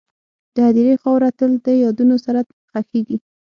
د هدیرې خاوره تل د یادونو سره ښخېږي..